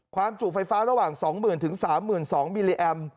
ความจุไฟฟ้าระหว่าง๒๐๐๐๐๓๒๐๐๐มิลลิแอมป์